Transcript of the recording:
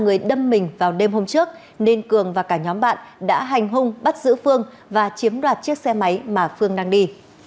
vì người đâm mình vào đêm hôm trước nên cường và cả nhóm bạn đã hành hung bắt giữ phương và chiếm đoạt chiếc xe máy mà phương đang đi